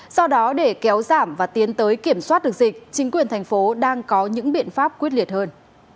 do đó để kéo giảm và tiến tới kiểm soát được dịch chính quyền thành phố đang có những biện pháp quyết liệt hơn